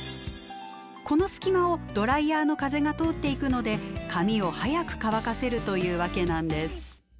この隙間をドライヤーの風が通っていくので髪を早く乾かせるというわけなんです。